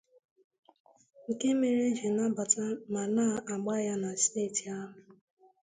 nke mere e ji nabata ma na-agba ya na steeti ahụ